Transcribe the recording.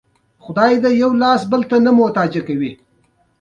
لویې پروژې د ګډ باور او همکارۍ په اساس جوړېږي.